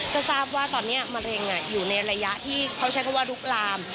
ก็ทราบว่าตอนนี้มะเร็งอยู่ในระยะที่เขาใช้คำว่าลุกลาม